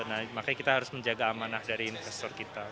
nah makanya kita harus menjaga amanah dari investor kita